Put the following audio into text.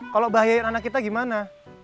kalau bahayain anak kita gimana